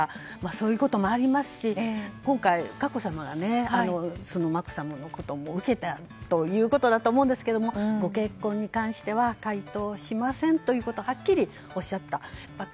そういうこともありますし今回、佳子さまや眞子さまのことを受けたということだと思うんですがご結婚に関しては回答しませんということをはっきりおっしゃったんです。